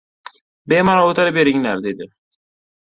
— Bemalol o‘tira beringlar, — dedi.